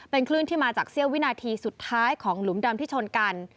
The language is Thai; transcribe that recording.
เป็นคลื่นที่มาจากเสี้ยววินาทีสุดท้ายของหลุมดำที่ชนกัน